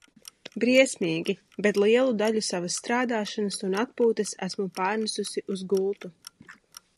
Briesmīgi, bet lielu daļu savas strādāšanas un atpūtas esmu pārnesusi uz gultu.